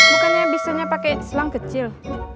bukannya bisanya pakai selang kecil